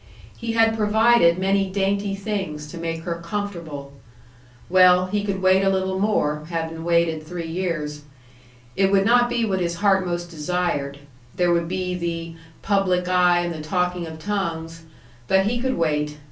He had provided many dainty things to make her comfortable. Well, he could wait a little more, having waited three years. It would not be what his heart most desired: there would be the "public eye and the talking of tongues" but he could wait.